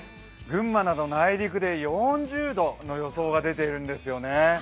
群馬など内陸で４０度の予想が出ているんですよね。